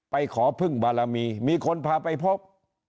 ขอพึ่งบารมีมีคนพาไปพบ